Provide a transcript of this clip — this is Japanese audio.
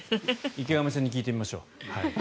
池上さんに聞いてみましょう。